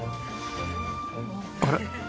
あれ？